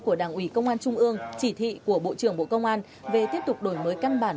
của đảng ủy công an trung ương chỉ thị của bộ trưởng bộ công an về tiếp tục đổi mới căn bản